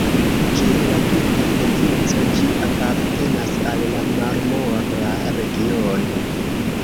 Kiel la tuta provinco, ĝi apartenas al la Marmora regiono.